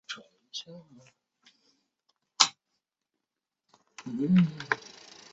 琴曲描写的是水边雁起落飞翔的场景。